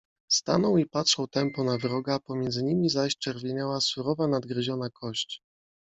Stanął i patrzał tępo na wroga, pomiędzy nimi zaś czerwieniała surowa nadgryziona kość.